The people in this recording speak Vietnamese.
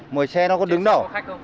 mỗi xe nó có đứng đâu